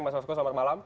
mas fasko selamat malam